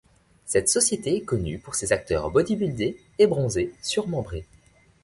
Cette société est connue pour ses acteurs bodybuildés et bronzés, surmembrés.